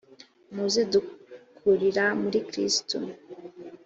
muze dukurira muri kristo.